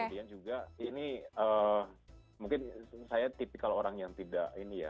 kemudian juga ini mungkin saya tipikal orang yang tidak ini ya